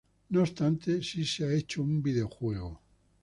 No obstante, sí se ha hecho un videojuego.